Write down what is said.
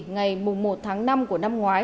ngày một tháng năm của năm ngoái